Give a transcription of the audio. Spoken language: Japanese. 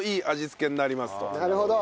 なるほど！